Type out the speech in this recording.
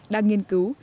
đang nghiên cứu